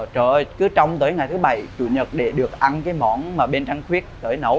trời ơi cứ trong tới ngày thứ bảy chủ nhật để được ăn cái món mà bên trăm khuyết để nấu